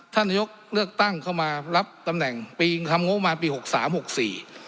นายกเลือกตั้งเข้ามารับตำแหน่งปีงคำงบประมาณปีหกสามหกสี่